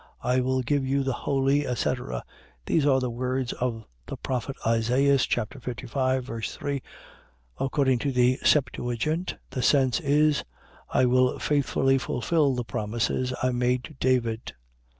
I will give you the holy, etc. . .These are the words of the prophet Isaias, 55. 3. According to the Septuagint, the sense is: I will faithfully fulfil the promises I made to David.